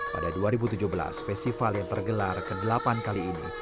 pada dua ribu tujuh belas festival yang tergelar ke delapan kali ini